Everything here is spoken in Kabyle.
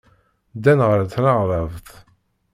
Ddan ɣer tnerdabt.